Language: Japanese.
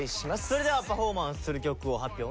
それではパフォーマンスする曲を発表